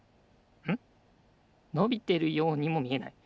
のびてるようにもみえない？